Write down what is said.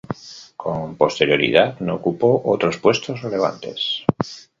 Con posterioridad no ocupó otros puestos relevantes.